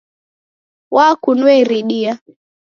Wakunua iridia